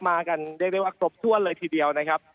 มากันเรียกได้ว่าครบถ้วนเลยทีเดียวนะครับ